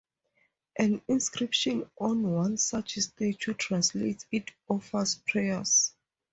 An inscription on one such statue translates, 'It offers prayers.